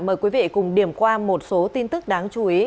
mời quý vị cùng điểm qua một số tin tức đáng chú ý